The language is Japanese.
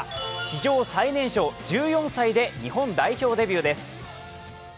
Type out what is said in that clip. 史上最年少１４歳で日本代表デビューです。